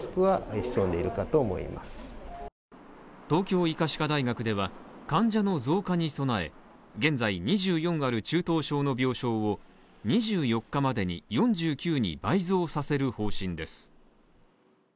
東京医科歯科大学では、患者の増加に備え、現在２４ある中等症の病床を２４日までに４９に倍増させる方針です。